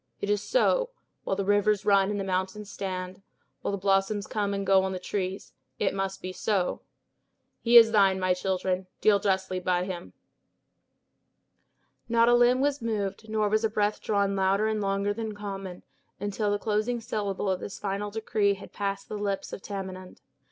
It is so; while the rivers run and the mountains stand, while the blossoms come and go on the trees, it must be so. He is thine, my children; deal justly by him." Not a limb was moved, nor was a breath drawn louder and longer than common, until the closing syllable of this final decree had passed the lips of Tamenund.